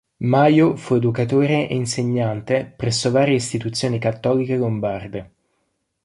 Majo fu educatore e insegnante presso varie istituzioni cattoliche lombarde.